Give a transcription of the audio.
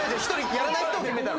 やらない人を決めたの。